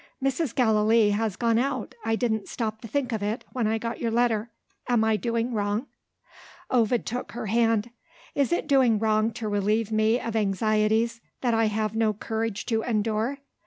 "Mrs. Gallilee has gone out. I didn't stop to think of it, when I got your letter. Am I doing wrong?" Ovid took her hand. "Is it doing wrong to relieve me of anxieties that I have no courage to endure?